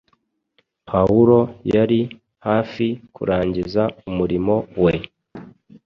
Pawulo yari hafi kurangiza umurimo we